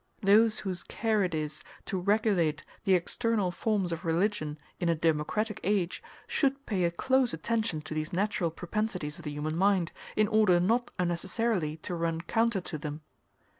Those whose care it is to regulate the external forms of religion in a democratic age should pay a close attention to these natural propensities of the human mind, in order not unnecessarily to run counter to them.